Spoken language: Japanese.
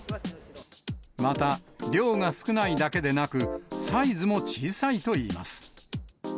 また、量が少ないだけでなく、サイズも小さいといいます。